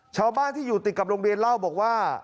ชาวบ้านที่อยู่ติดกับโรงเรียนเล่าบอกว่า